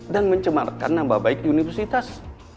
dan mencemarkan nambah baik di universitas